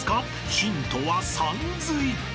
［ヒントはさんずい］